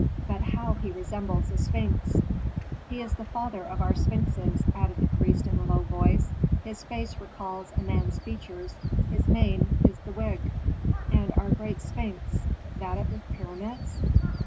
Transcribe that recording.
"But how he resembles a sphinx." "He is the father of our sphinxes," added the priest in a low voice. "His face recalls a man's features, his mane is the wig." "And our great sphinx, that at the pyramids?"